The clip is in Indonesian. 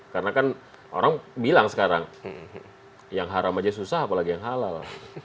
karena kan orang bilang sekarang yang haram aja susah apalagi yang halal